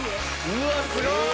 うわっすごい！